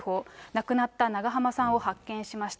亡くなった長濱さんを発見しました。